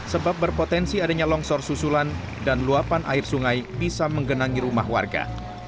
sebab berpotensi adanya longsor susulan dan luapan air sungai bisa menggenangi rumah warga